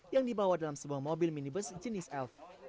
yang dibawa dalam sebuah mobil minibus jenis elf